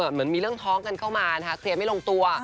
เหมือนมีเรื่องท้องกันเข้ามานะคะเคลียร์ไม่ลงตัว